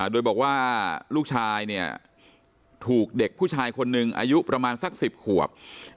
โดยบอกว่าลูกชายเนี่ยถูกเด็กผู้ชายคนหนึ่งอายุประมาณสัก๑๐ขวบ